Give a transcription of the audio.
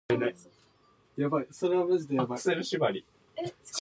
He also played Bruce Wayne in Nightwing: The Series on YouTube.